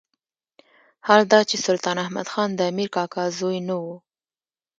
حال دا چې سلطان احمد خان د امیر کاکا زوی نه وو.